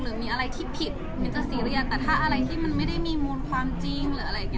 หรือมีอะไรที่ผิดมิ้นจะซีเรียสแต่ถ้าอะไรที่มันไม่ได้มีมุมความจริง